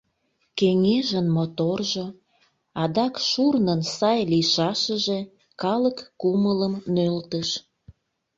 Кеҥежын моторжо, адак шурнын сай лийшашыже калык кумылым нӧлтыш.